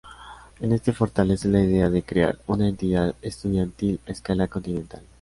En este fortalece la idea de crear una entidad estudiantil a escala continental.